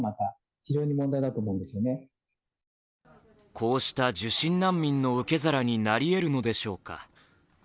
こうした受診難民の受け皿になり得るのでしょうか。